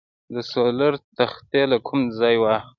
د سولر تختې له کوم ځای واخلم؟